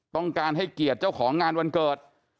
ต้องการให้เกียรติเจ้าของงานวันเกิด